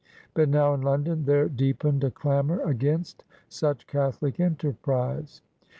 But now, in London, there deepened a clamor against such Catholic enterprise.